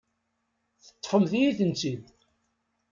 Teṭṭfemt-iyi-tent-id.